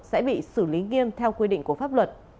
sẽ bị xử lý nghiêm theo quy định của pháp luật